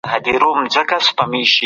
ولي کندهار کي ساختماني صنعت پراخ سوی دی؟